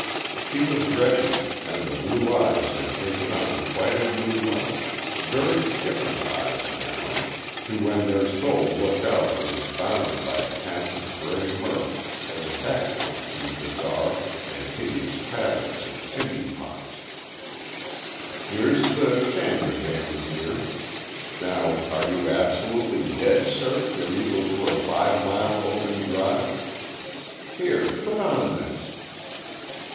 She was ready, and the blue eyes had taken on quite a new light very different eyes now, to when their sole look out was bounded by a patch of grey murk as a background to bizarre and hideous patterns in chimney pots. "Here's the shandradan, dear. Now are you absolutely dead cert you're equal to a five mile open drive. Here put on this."